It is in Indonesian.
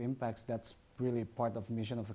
itu adalah bagian dari misi perusahaan